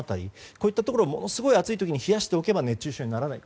こういったところものすごい暑い時に冷やしておけば熱中症にならない。